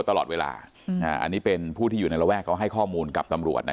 ตลอดเวลาอันนี้เป็นผู้ที่อยู่ในระแวกเขาให้ข้อมูลกับตำรวจนะ